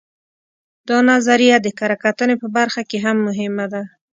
دا نظریه د کره کتنې په برخه کې هم مهمه ده